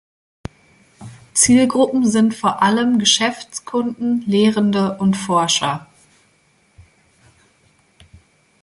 Zielgruppen sind vor allem Geschäftskunden, Lehrende und Forscher.